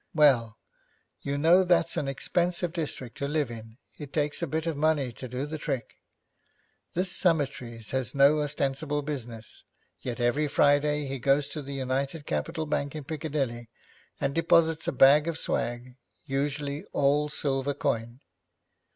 'Well, you know, that's an expensive district to live in; it takes a bit of money to do the trick. This Summertrees has no ostensible business, yet every Friday he goes to the United Capital Bank in Piccadilly, and deposits a bag of swag, usually all silver coin.'